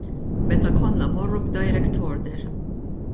Meta konna mmorru b'direct order.